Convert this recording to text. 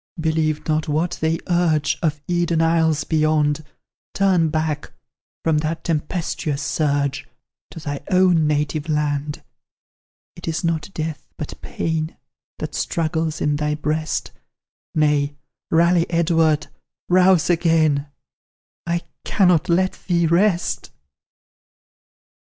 Believe not what they urge Of Eden isles beyond; Turn back, from that tempestuous surge, To thy own native land. It is not death, but pain That struggles in thy breast Nay, rally, Edward, rouse again; I cannot let thee rest!"